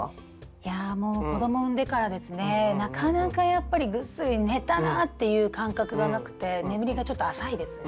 いやもう子ども産んでからですねなかなかやっぱりぐっすり寝たなぁっていう感覚がなくて眠りがちょっと浅いですね。